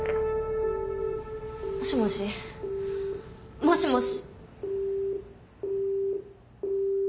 もしもし？もしもし。